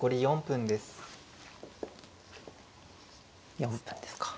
４分ですか。